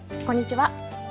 こんにちは。